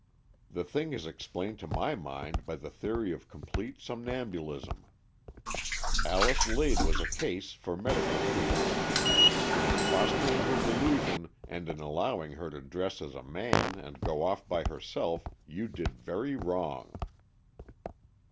The thing is explained to my mind by the theory of com plete somnambulism. AJice Lade was a case 230 AN EXCHANGE OF SOULS for medical treatment. In fostering her delu sion, and in allowing her to dress as a man and to go off by herself, you did very wrong."